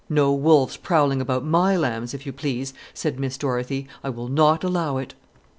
"No wolves prowling about my lambs, if you please," said Miss Dorothy. "I will not allow it."